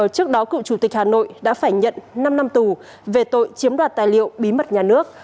trước đó cựu chủ tịch hà nội đã phải nhận năm năm tù về tội chiếm đoạt tài liệu bí mật nhà nước